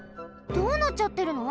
どうなっちゃってるの？